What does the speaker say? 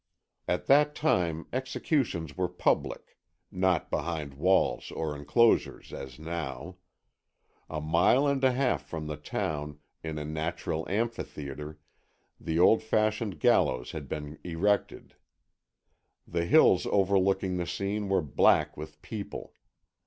At that time executions were public, not behind walls or enclosures as now. A mile and a half from the town, in a natural amphitheatre, the old fashioned gallows had been erected. The hills overlooking the scene were black with people.